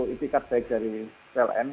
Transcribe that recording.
intikat baik dari pln